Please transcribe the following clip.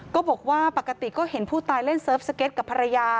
ก็บอกว่าปกติก็เห็นผู้ตายเล่นเซิร์ฟสเก็ตกับภรรยา